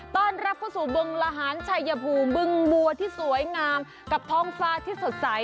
ต้อนรับเข้าสู่บึงละหารชัยภูมิบึงบัวที่สวยงามกับท้องฟ้าที่สดใส